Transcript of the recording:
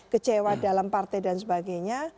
kecewa dalam partai dan sebagainya